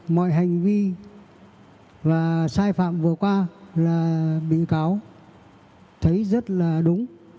mọi hành vi và sai phạm vừa qua là bị cáo thấy rất là đúng